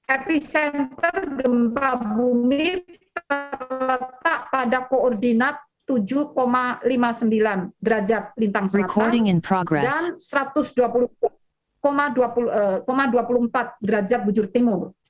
epicenter gempa bumi terletak pada koordinat tujuh lima puluh sembilan derajat lintang selatan dan satu ratus dua puluh empat derajat bujur timur